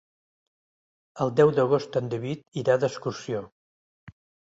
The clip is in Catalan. El deu d'agost en David irà d'excursió.